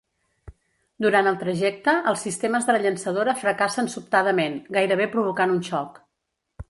Durant el trajecte, els sistemes de la llançadora fracassen sobtadament, gairebé provocant un xoc.